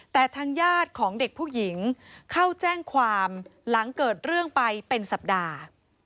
แต่ทางญาติของเด็กผู้หญิงเข้าแจ้งความหลังเกิดเรื่องไปเป็นสัปดาห์